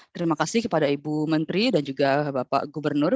terima kasih kepada ibu menteri dan juga bapak gubernur